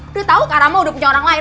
udah tau kak rama udah punya orang lain